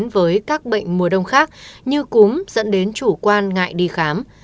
với các bệnh mùa đông khác như cúm dẫn đến chủ quan ngại đi khám